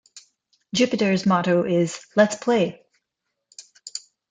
Jupiter's motto is Let's Play!